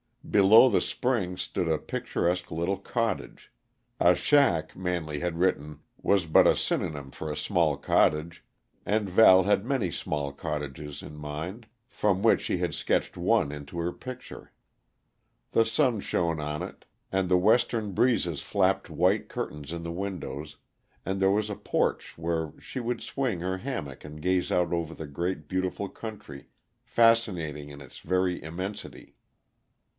Below the spring stood a picturesque little cottage. A shack, Manley had written, was but a synonym for a small cottage, and Val had many small cottages in mind, from which she sketched one into her picture. The sun shone on it, and the western breezes flapped white curtains in the windows, and there was a porch where she would swing her hammock and gaze out over the great, beautiful country, fascinating in its very immensity.